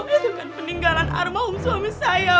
itu kan peninggalan arma um suami saya